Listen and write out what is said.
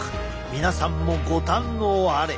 皆さんもご堪能あれ！